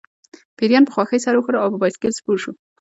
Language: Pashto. پیریان په خوښۍ سر وښوراوه او په بایسکل سپور شو